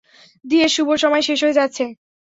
দিয়ের শুভ সময় শেষ হয়ে যাচ্ছে।